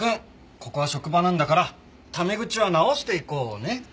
ここは職場なんだからタメ口は直していこうね」。